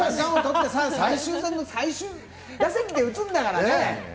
最終戦の最終打席で打つんだからね。